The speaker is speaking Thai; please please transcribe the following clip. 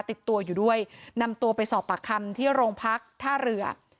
ติดตัวอยู่ด้วยนำตัวไปสอบปากคำที่โรงพักท่าเรือ